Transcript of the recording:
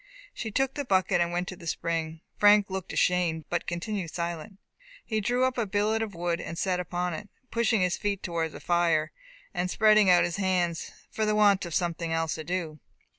She took the bucket, and went to the spring. Frank looked ashamed, but continued silent. He drew up a billet of wood and sat upon it, pushing his feet towards the fire, and spreading out his hands, for the want of something else to do.